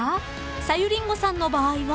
［さゆりんごさんの場合は］